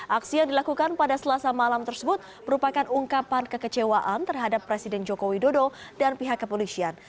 aksi yang dilakukan pada selasa malam tersebut merupakan ungkapan kekecewaan terhadap presiden joko widodo dan pihak kepolisian